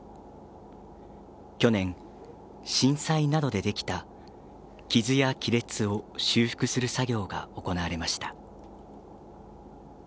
去年、震災などでできた傷や亀裂を修復する作業が行われました。